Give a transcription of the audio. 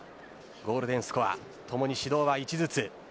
ゴールデンスコアともに指導は１つずつ。